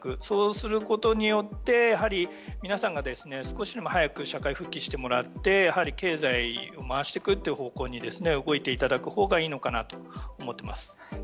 そうすることによって皆さんが少しでも早く社会復帰してもらってやはり経済を回していくという方向に動いていただくほうがいいのかなと思っています。